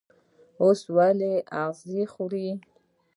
اوښ ولې اغزي خوري؟